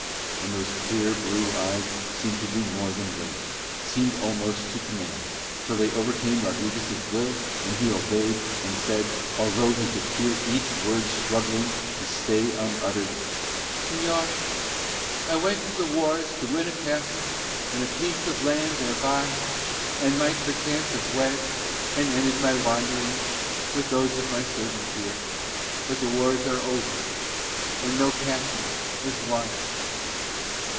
And those clear blue eyes seemed to do more than wait, seemed almost to command, till they overcame Rodriguez' will and he obeyed and said, although he could feel each word struggling to stay unuttered, "Señor, I went to the wars to win a castle and a piece of land thereby; and might perchance have wed and ended my wanderings, with those of my servant here; but the wars are over and no castle is won."